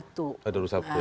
tahun dua ribu satu ya